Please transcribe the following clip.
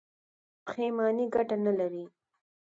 پښیماني ګټه نلري.